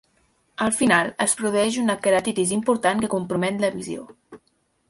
Al final, es produeix una queratitis important que compromet la visió.